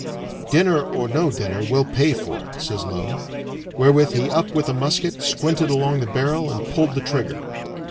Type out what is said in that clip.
"Dinner or no dinner, we'll pay for it," says Low, wherewith he up with a musket, squinted along the barrel, and pulled the trigger.